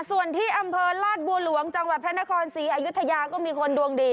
ส่วนที่อำเภอลาดบัวหลวงจังหวัดพระนครศรีอยุธยาก็มีคนดวงดี